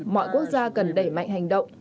mọi quốc gia cần đẩy mạnh hành động